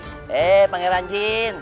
hei pangeran jin